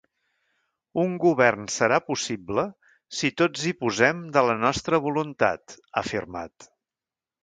“Un govern serà possible si tots hi posem de la nostra voluntat”, ha afirmat.